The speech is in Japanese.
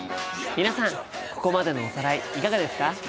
皆さんここまでのおさらいいかがですか？